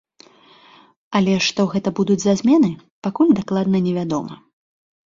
Але што гэта будуць за змены, пакуль дакладна невядома.